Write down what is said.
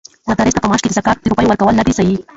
مدرس ته په معاش کې د زکات د روپيو ورکول ندی صحيح؛